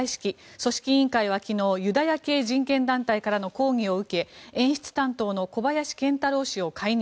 組織委員会は昨日ユダヤ系人権団体からの抗議を受け演出担当の小林賢太郎氏を解任。